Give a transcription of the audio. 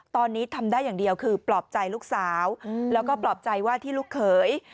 ตอนนี้ทำได้อย่างเดียวคือปลอบใจลูกสาวแล้วก็ปลอบใจว่าที่ลูกเขย